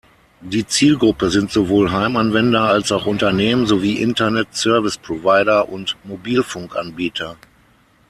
Die Zielgruppe sind sowohl Heimanwender als auch Unternehmen sowie Internet Service Provider und Mobilfunkanbieter.